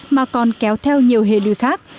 mà còn kéo theo nhiều hệ lưu khác